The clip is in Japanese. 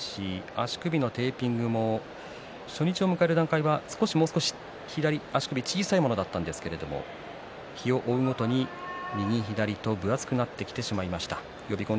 足首のテーピングも初日を迎える段階は少し左足首、小さかったんですが日を追うごとに右左と分厚くなってきてしまいました。